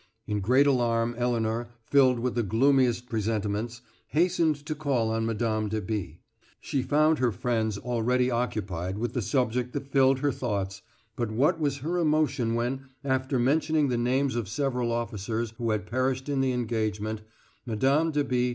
In great alarm Elinor, filled with the gloomiest presentiments, hastened to call on Mme. de B. She found her friends already occupied with the subject that filled her thoughts, but what was her emotion when, after mentioning the names of several officers who had perished in the engagement, Mme. de B.